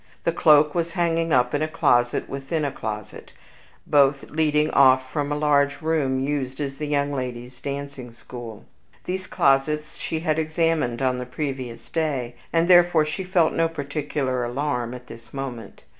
The cloak was hanging up in a closet within a closet, both leading off from a large room used as the young ladies' dancing school. These closets she had examined on the previous day, and therefore she felt no particular alarm at this moment.